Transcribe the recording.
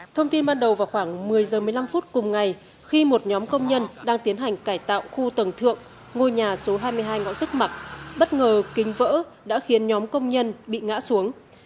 thông tin ban đầu vào khoảng một mươi h một mươi năm phút cùng ngày khi một nhóm công nhân đang tiến hành cải tạo khu tầng thượng ngôi nhà số hai mươi hai ngõ tức mặc bất ngờ kính vỡ đã khiến nhóm công nhân bị ngã xuống